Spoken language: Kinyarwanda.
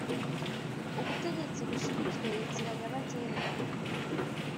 ubutegetsi bushinzwe inzira nyabagendwa